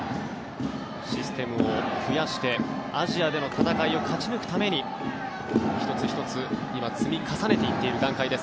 システムを増やしてアジアでの戦いを勝ち抜くために１つ１つ今積み重ねていっている段階です